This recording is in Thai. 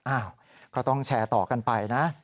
อ้าวก็ต้องแชร์ต่อกันไปนะ